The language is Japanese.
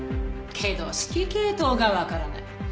けど指揮系統がわからない。